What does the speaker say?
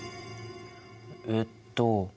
えっと。